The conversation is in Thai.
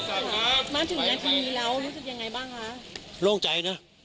มาถึงยายทีนี้แล้วรู้จักยังไงบ้างค่ะ